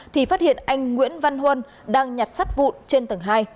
thì phát hiện anh nguyễn văn huân đang nhặt sắt vụn trên tầng hai